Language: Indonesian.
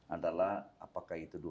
adalah apakah itu dua puluh tujuh ribu